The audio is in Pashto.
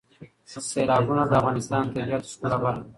سیلابونه د افغانستان د طبیعت د ښکلا برخه ده.